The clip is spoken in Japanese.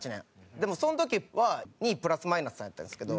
でも、その時は、２位プラスマイナスさんやったんですけど。